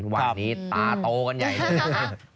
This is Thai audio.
วันนี้ตาโตกันใหญ่เลย